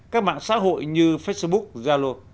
các mạng xã hội như facebook zalo